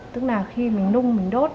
tức là khi mình lung mình đốt